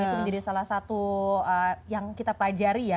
itu menjadi salah satu yang kita pelajari ya